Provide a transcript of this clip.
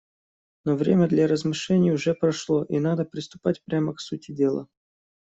Но время для размышлений уже прошло, и надо приступать прямо к сути дела.